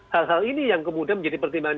hal hal ini yang kemudian menjadi pertimbangan